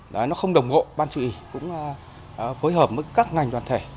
nó không đồng hộ ban trụy cũng phối hợp với các ngành toàn thể